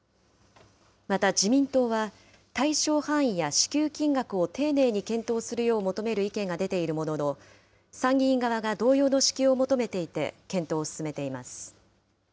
また自民党は、対象範囲や支給金額を丁寧に検討するよう求める意見が出ているものの、参議院側が同様の支給を求めていて、検討を進めています。